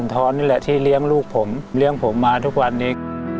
นี่แหละที่เลี้ยงลูกผมเลี้ยงผมมาทุกวันนี้